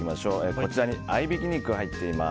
こちらに合いびき肉が入っています。